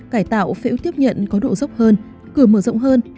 cải tạo phễu tiếp nhận có độ dốc hơn cửa mở rộng hơn